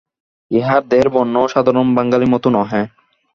ইহার দেহের বর্ণও সাধারণ বাঙালির মতো নহে।